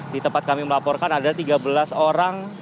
di tempat kami melaporkan ada tiga belas orang